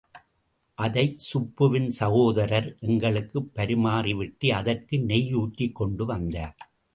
அதைச் சுப்புவின் சகோதரர் எங்களுக்குப் பரிமாறிவிட்டு, அதற்கு நெய் ஊற்றிக் கொண்டு வந்தார்.